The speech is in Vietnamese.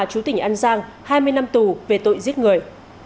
chú tỉnh an giang hai mươi năm tù về tội giết người